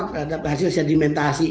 terhadap hasil sedimentasi